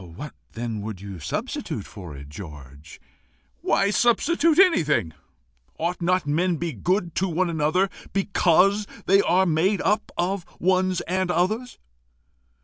"What then would you substitute for it, George?" "Why substitute anything? Ought not men be good to one another because they are made up of ones and others?